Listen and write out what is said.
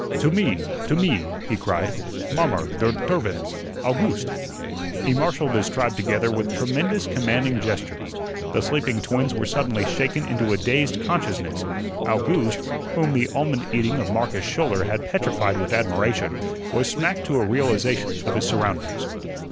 "To me, to me," he cried. "Mommer, der tervins, Owgooste." He marshalled his tribe together, with tremendous commanding gestures. The sleeping twins were suddenly shaken into a dazed consciousness; Owgooste, whom the almond eating of Marcus Schouler had petrified with admiration, was smacked to a realization of his surroundings.